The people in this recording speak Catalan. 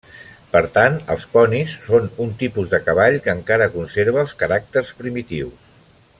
Per tant, els ponis, són un tipus de cavall que encara conserva els caràcters primitius.